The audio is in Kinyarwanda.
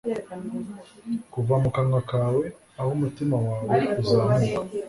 Kuva mu kanwa kawe aho umutima wawe uzamuka